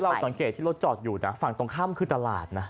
คือเราสังเกตที่เราจอดอยู่นะฝั่งตรงข้ามมันคือตลาดนะ